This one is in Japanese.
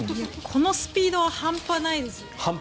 このスピードは半端ないですね。